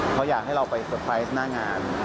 เขาอยากให้เราไปเตอร์ไพรส์หน้างาน